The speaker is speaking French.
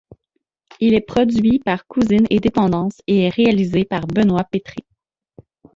Il est produit par Cousines et Dépendances et est réalisé par Benoît Pétré.